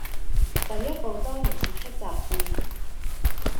第一步當然是出雜誌，